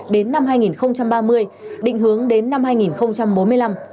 đến năm hai nghìn ba mươi định hướng đến năm hai nghìn bốn mươi năm